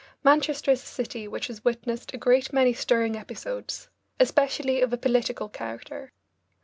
Manchester is a city which has witnessed a great many stirring episodes, especially of a political character.